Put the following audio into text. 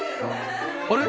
あれ？